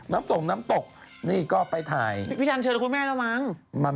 ตรงน้ำตกนี่ก็ไปถ่ายพี่ทันเชิญคุณแม่แล้วมั้ง